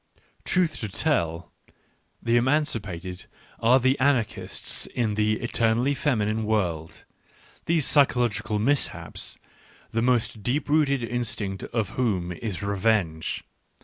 Truth to tell, the emanci pated are the anarchists in the " eternally feminine " world, the physiological mishaps, the most deep rooted instinct of whom is revenge.